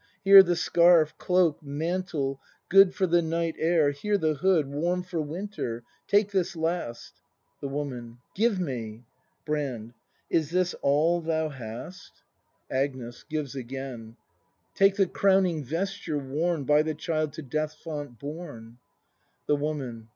Here the scarf, cloak, mantle, good For the night air, here the hood Warm for winter; take this last The Woman. Give me! Brand. Is this a 1 1 thou hast ? 206 BRAND [act iv AGNi;S. [Gives again.] Take the crowning vesture worn, By the child to Death's Font borne! The Woman.